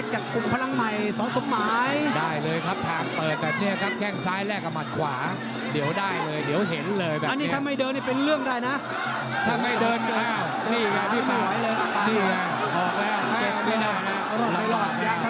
ขุนสึกเล็กนะถ้าโดนแล้วมีอาการนะ